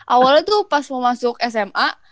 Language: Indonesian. awalnya tuh pas mau masuk sma